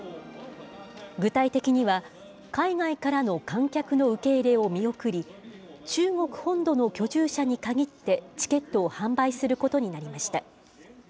具体的には、海外からの観客の受け入れを見送り、中国本土の居住者に限って、チケットを販売することになりました。